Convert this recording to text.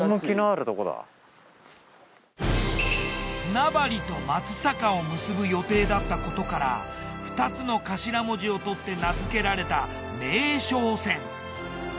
名張と松阪を結ぶ予定だったことから２つの頭文字をとって名付けられた名松線。